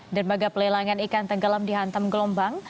dermaga pelelangan ikan tenggelam dihantam gelombang